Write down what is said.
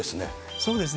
そうですね。